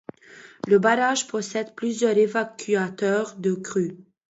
Le barrage possède plusieurs évacuateurs de crues.